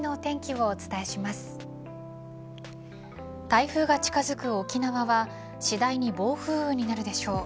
台風が近づく沖縄は次第に暴風雨になるでしょう。